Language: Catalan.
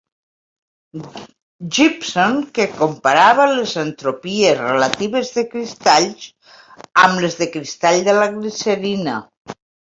Gibson que comparava les entropies relatives de cristalls amb les del cristall de la glicerina.